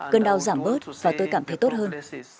cơn đau giảm bớt và tôi cảm thấy tốt hơn